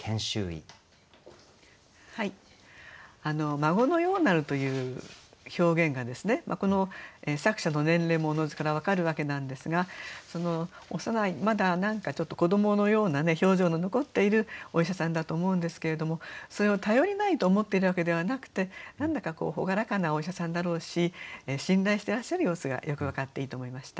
「孫のやうなる」という表現がこの作者の年齢もおのずから分かるわけなんですが幼いまだ何かちょっと子どものような表情の残っているお医者さんだと思うんですけれどもそれを頼りないと思っているわけではなくて何だか朗らかなお医者さんだろうし信頼してらっしゃる様子がよく分かっていいと思いました。